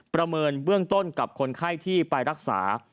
ประเมินเบื้องต้นกับคนไข้ที่ไปรักษา